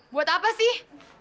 buat apa sih